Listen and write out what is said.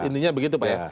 intinya begitu pak ya